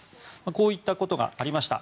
こういったことがありました。